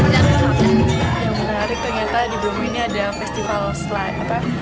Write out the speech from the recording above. yang menarik ternyata di bromo ini ada festival selain apa